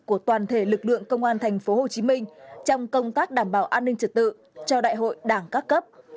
của toàn thể lực lượng công an tp hcm